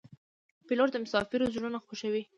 پیلوټ د مسافرو زړونه خوښوي.